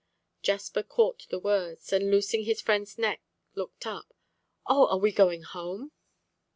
Jasper caught the words, and loosing his friend's neck, looked up. "Oh! are we going home?